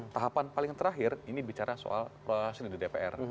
tahapan paling terakhir ini bicara soal ini di dpr